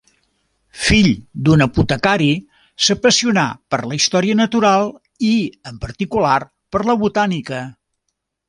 Fill d'un apotecari, s'apassionà per la història natural i en particular per la botànica.